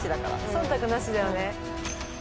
忖度なしだよね